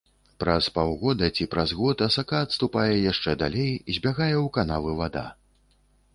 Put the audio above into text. Праз паўгода ці праз год асака адступае яшчэ далей, збягае ў канавы вада.